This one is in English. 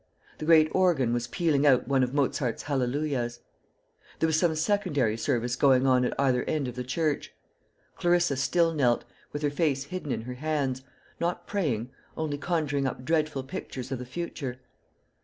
The great organ was pealing out one of Mozart's Hallelujahs. There was some secondary service going on at either end of the church. Clarissa still knelt, with her face hidden in her hands, not praying, only conjuring up dreadful pictures of the future.